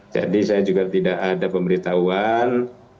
jadi saya juga tidak ada pemberitahuan